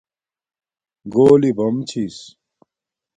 گھولی بم چھس